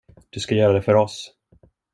Du ska göra det för oss.